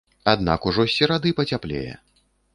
Аднак ужо з серады пацяплее.